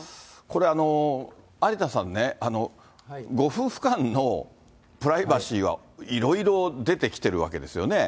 これ、有田さんね、ご夫婦間のプライバシーはいろいろ出てきてるわけですよね。